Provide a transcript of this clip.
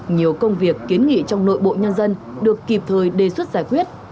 nhiều công việc kiến nghị trong nội bộ nhân dân được kịp thời đề xuất giải quyết